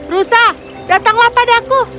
rusa datanglah padaku